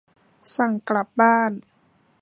สั่งกลับบ้าน